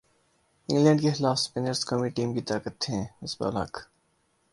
England کیخلاف spinners قومی team کی طاقت ہیں مصباح الحق